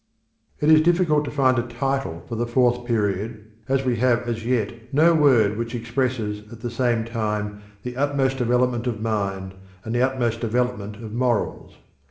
It is difficult to find a title for the fourth period, as we have as yet no word which expresses at the same time the utmost development of mind and the utmost development of morals.